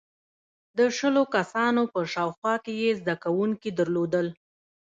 • د شلو کسانو په شاوخوا کې یې زدهکوونکي درلودل.